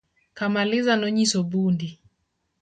Kamaliza nonyiso Bundi